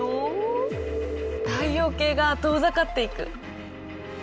太陽系が遠ざかっていく。